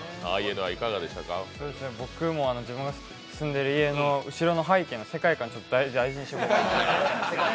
僕も自分が住んでいる家の後ろの背景の世界観、大事にしたいなと。